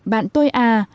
bạn tôi à